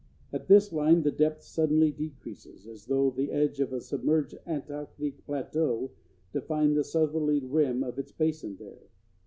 At this line the depth suddenly decreases, as though the edge of a submerged Antarctic plateau defined the southerly rim of its basin there.